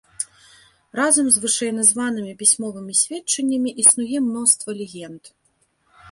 Разам з вышэйназванымі пісьмовымі сведчаннямі існуе мноства легенд.